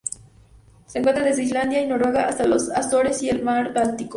Se encuentra desde Islandia y Noruega hasta las Azores y el mar Báltico.